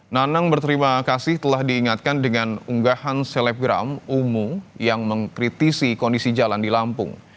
nanang berterima kasih telah diingatkan dengan unggahan selebgram umu yang mengkritisi kondisi jalan di lampung